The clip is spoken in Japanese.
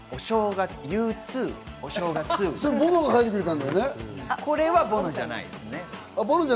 それボノが書いてくれたんですよね。